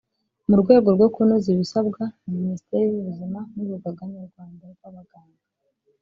mu rwego rwo kunoza ibisabwa na Minisiteri y’Ubuzima n’Urugaga Nyarwanda rw’Abaganga